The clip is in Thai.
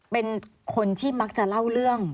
เป็นคนที่มักจะเล่าเรื่อง